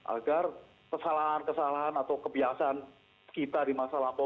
agar kesalahan kesalahan atau kebiasaan kita di masa lampau